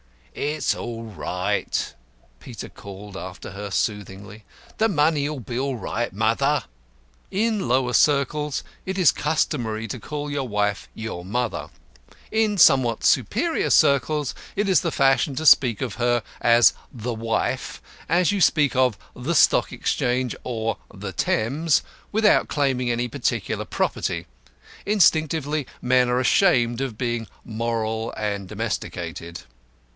"It's all right," Peter called after her soothingly. "The money'll be all right, mother." In lower circles it is customary to call your wife your mother; in somewhat superior circles it is the fashion to speak of her as "the wife," as you speak of "the Stock Exchange," or "the Thames," without claiming any peculiar property. Instinctively men are ashamed of being moral and domesticated.